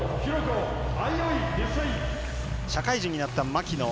社会人になった牧野。